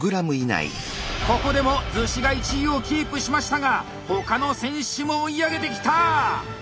ここでも厨子が１位をキープしましたが他の選手も追い上げてきた！